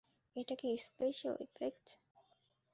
এটা কি special effect?